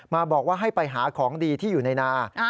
บอกว่าให้ไปหาของดีที่อยู่ในนา